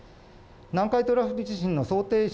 南海トラフ地震の想定